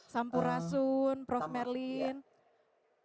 sampurasun prof merlina